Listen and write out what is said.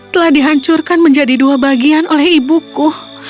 telah dihancurkan menjadi dua bagian oleh ibuku